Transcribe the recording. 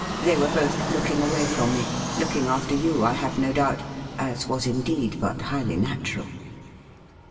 They were both looking away from me — looking after you, I have no doubt, as was indeed but highly natural.'